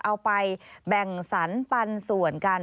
เอาไปแบ่งสรรปันส่วนกัน